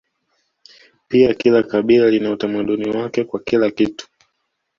Pia kila kabila lina utamaduni wake kwa kila kitu